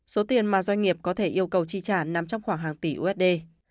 số tiền mà doanh nghiệp có thể yêu cầu chi trả nằm trong khoảng hàng tỷ usd